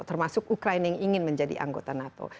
termasuk ukraine yang ingin menjadi anggota nato